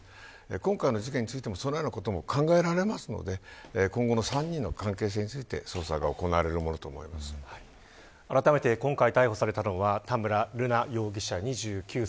今回の事件についてもそのようなことも考えられるので今後の３人の関係性についてあらためて今回逮捕されたのは田村瑠奈容疑者、２９歳。